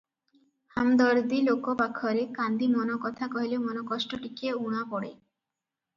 ହାମଦରଦୀ ଲୋକ ପାଖରେ କାନ୍ଦି ମନକଥା କହିଲେ ମନକଷ୍ଟ ଟିକିଏ ଊଣା ପଡ଼େ ।